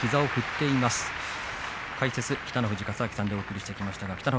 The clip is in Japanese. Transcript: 解説は北の富士勝昭さんでお送りしてきました。